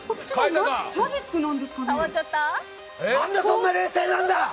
なんでそんな冷静なんだ。